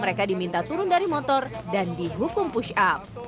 mereka diminta turun dari motor dan dihukum push up